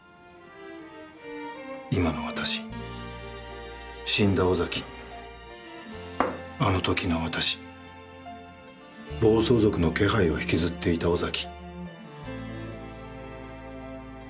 今の私、死んだ尾崎、あのときの私、暴走族の気配を引きずっていた尾崎、」。